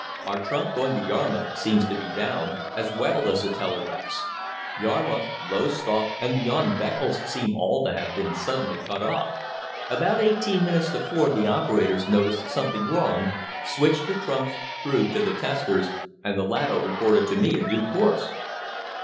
Our trunk going to Yarmouth seems to be down, as well as the telegraphs. Yarmouth, Lowestoft, and beyond Beccles seem all to have been suddenly cut off. About eighteen minutes to four the operators noticed something wrong, switched the trunks through to the testers, and the latter reported to me in due course."